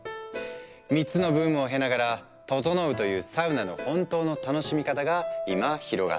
３つのブームを経ながら「ととのう」というサウナの本当の楽しみ方が今広がっている。